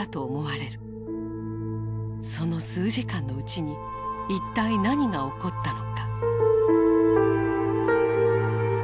その数時間のうちに一体何が起こったのか。